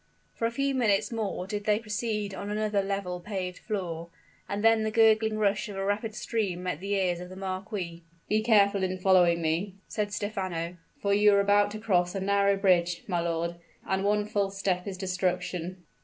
For a few minutes more did they proceed on another level paved floor: and then the gurgling rush of a rapid stream met the ears of the marquis. "Be careful in following me," said Stephano; "for you are about to cross a narrow bridge, my lord and one false step is destruction."